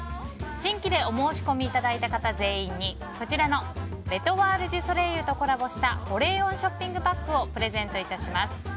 新規でお申し込みいただいた方全員にこちらのレ・トワール・デュ・ソレイユとコラボした保冷温ショッピングバッグをプレゼント致します。